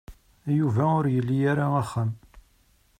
Yuba ur ili ara axxam.